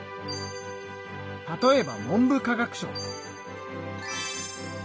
例えば文部科学省。